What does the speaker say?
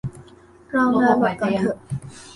รองานหมดก่อนเถอะ